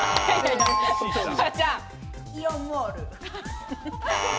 イオンモール。